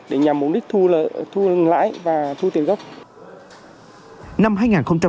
để nhằm mục đích thu lãi và thu tiền gốc